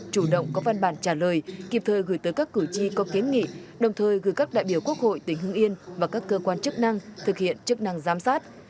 chủ động có văn bản trả lời kịp thời gửi tới các cử tri có kiến nghị đồng thời gửi các đại biểu quốc hội tỉnh hưng yên và các cơ quan chức năng thực hiện chức năng giám sát